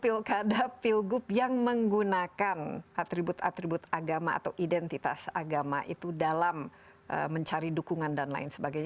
pilkada pilgub yang menggunakan atribut atribut agama atau identitas agama itu dalam mencari dukungan dan lain sebagainya